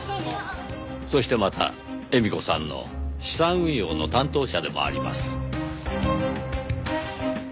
そしてまた絵美子さんの資産運用の担当者でもあります。